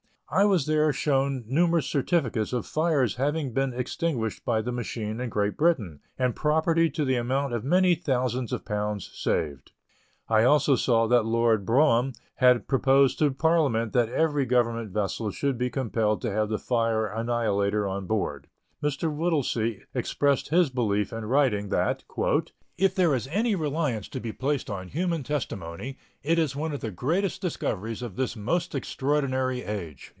I was there shown numerous certificates of fires having been extinguished by the machine in Great Britain, and property to the amount of many thousands of pounds saved. I also saw that Lord Brougham had proposed in Parliament that every Government vessel should be compelled to have the Fire Annihilator on board. Mr. Whittlesey expressed his belief in writing, that "if there is any reliance to be placed on human testimony, it is one of the greatest discoveries of this most extraordinary age."